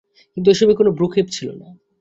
কিন্তু ওসবে কোনো ভ্রূক্ষেপ ছিল না।